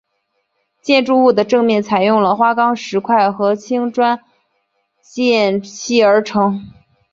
建筑物的正面采用了花岗石块和青砖筑砌而成。